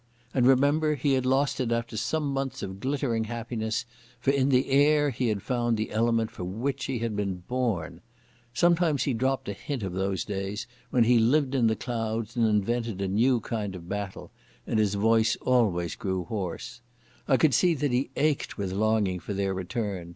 And remember, he had lost it after some months of glittering happiness, for in the air he had found the element for which he had been born. Sometimes he dropped a hint of those days when he lived in the clouds and invented a new kind of battle, and his voice always grew hoarse. I could see that he ached with longing for their return.